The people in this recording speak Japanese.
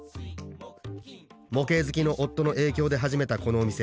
模型好きの夫の影響で始めたこのお店。